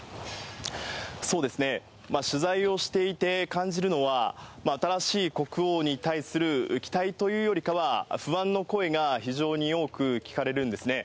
取材をしていて感じるのは、新しい国王に対する期待というよりかは、不安の声が非常に多く聞かれるんですね。